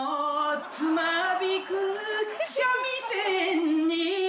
「つまびく三味線に」